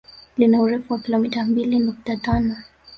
Lina urefu wa kilomita mbili nukta tano